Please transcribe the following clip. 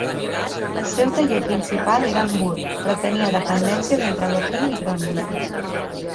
El seu taller principal era a Hamburg, però tenia dependències entre Berlín i Groningen.